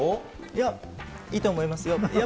いや、いいと思いますよ。